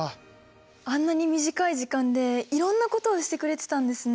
あんなに短い時間でいろんなことをしてくれてたんですね。